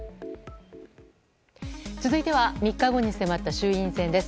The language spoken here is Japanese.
続いては、３日後に迫った衆院選です。